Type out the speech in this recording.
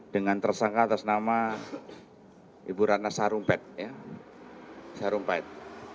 dengan tersangka atas nama ibu rana sarumpet